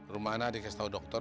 rumahnya dikasih tau dokter